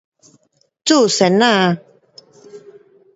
做先生